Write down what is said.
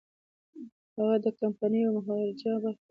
هغه د کمپانۍ او مهاراجا خبره مني.